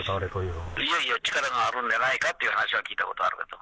いやいや、力があるんじゃないかという話は聞いたことあるけど。